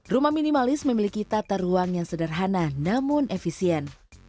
rumah minimalis memiliki tata ruang yang sederhana namun efisien